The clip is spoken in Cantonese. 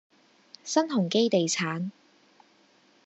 新鴻基地產